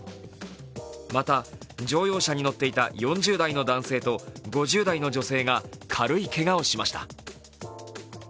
また乗用車に乗っていた４０代の男性と５０代の女性が軽いけがをしました。